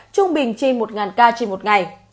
trung bình trên một ca trên một ngày